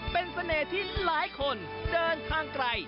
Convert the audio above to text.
เป็นเสน่ห์ที่หลายคนเดินทางไกล